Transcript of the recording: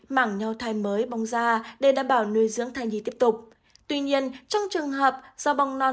mảng nhò thai mới bong ra để đảm bảo nuôi dưỡng thai nhi tiếp tục tuy nhiên trong trường hợp do bong non